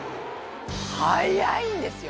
速いんですよ！